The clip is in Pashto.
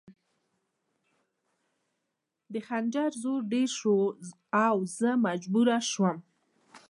د خنجر زور ډېر شو او زه مجبوره شوم